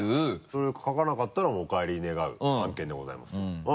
そうねかかなかったらもうお帰り願う案件でございますよ。